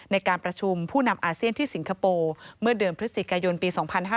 ในการประชุมผู้นำอาเซียนที่สิงคโปร์เมื่อเดือนพฤศจิกายนปี๒๕๕๙